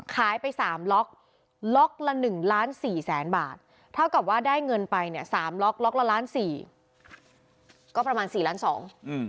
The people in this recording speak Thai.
ขายไป๓ล็อกล็อกละ๑๔๐๐๐๐๐บาทเท่ากับว่าได้เงินไปเนี่ย๓ล็อกล็อกละล้านสี่ก็ประมาณ๔ล้านสอง